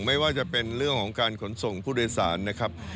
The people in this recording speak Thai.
ไม่ว่าจะเป็นเรื่องของการขนส่งผู้โดยสารนะครับ